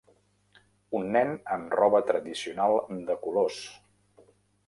Un nen amb roba tradicional de colors